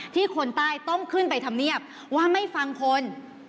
คนใต้ต้องขึ้นไปทำเนียบว่าไม่ฟังคน